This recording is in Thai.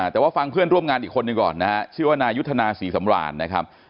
แต่ว่าฟังเพื่อนร่วมงานอีกคนหนึ่งก่อนนะฮะชื่อว่านายุทธนาศรีสำราญนะครับ